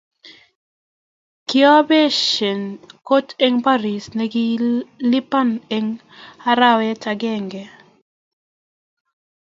Kiabesen kot eng Paris nekilipani eng arawet agenge